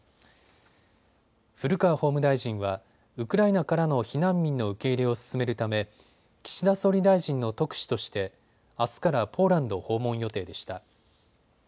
古川法務大臣はウクライナからの避難民の受け入れを進めるため岸田総理大臣の特使としてあすからポーランド訪問予定でした。